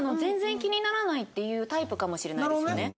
っていうタイプかもしれないですよね。